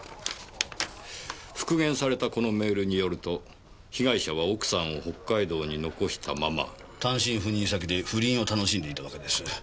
復元されたこのメールによると被害者は奥さんを北海道に残したまま。単身赴任先で不倫を楽しんでいたわけですね。